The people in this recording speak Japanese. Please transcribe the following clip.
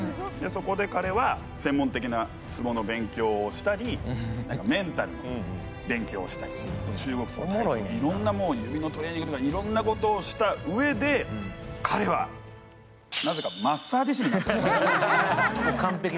そこで彼は専門的なツボの勉強をしたりメンタルの勉強をしたり中国とか、指のトレーニングとかいろんなことをしたうえで、彼はマッサージ師になった。